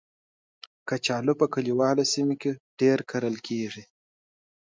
کچالو په کلیوالو سیمو کې ډېر کرل کېږي